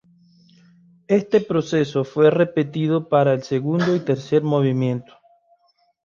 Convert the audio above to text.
Este proceso fue repetido para el segundo y tercer movimiento.